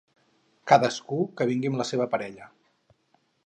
Cadascú que vingui amb la seva parella.